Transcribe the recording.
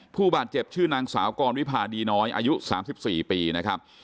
ผู้บาดเจ็บชื่อนางสาวกรวิพาดีน้อยอายุ๓๔ปีนะครับ